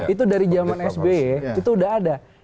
itu dari zaman sby itu udah ada